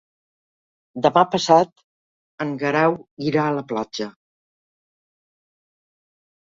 Demà passat en Guerau irà a la platja.